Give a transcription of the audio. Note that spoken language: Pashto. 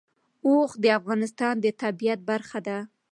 اوښ د افغانستان د طبیعت برخه ده.